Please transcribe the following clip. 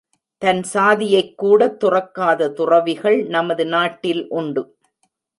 தன் சாதியைக் கூட துறக்காத துறவிகள் நமது நாட்டில் உண்டு.